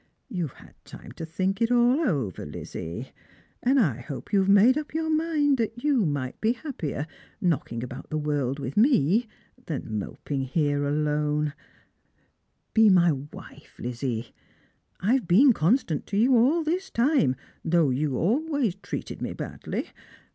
You've had time to think it all over, Lizzie ; and I hope you've made up your mind you might be happier knocking about the world with me than moping alone here. Be my wife, Lizzie. I've been constant to you all this time, though you always treated me badly.